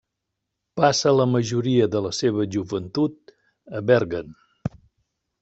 Passà la majoria de la seva joventut a Bergen.